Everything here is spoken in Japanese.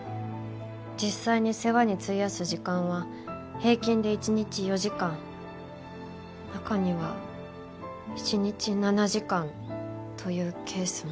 「実際に世話に費やす時間は平均で一日４時間」「中には一日７時間というケースも」。